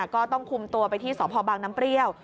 ก็ต้องคุมตัวไปที่สพบังน้ำเปรี้ยว